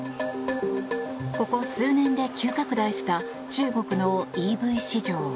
ここ数年で急拡大した中国のＥＶ市場。